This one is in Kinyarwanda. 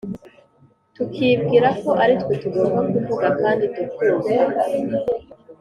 tukibwira ko ari twe tugomba kuvuga kandi tukumvwa.